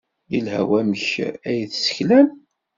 Yelha wamek ay tessaklem?